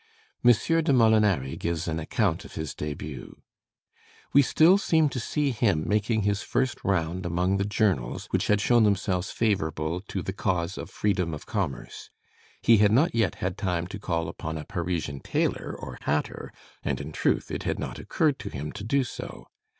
M. de Molinari gives an account of his debut: "We still seem to see him making his first round among the journals which had shown themselves favorable to cause of the freedom of commerce. He had not yet had time to call upon a Parisian tailor or hatter, and in truth it had not occurred to him to do so.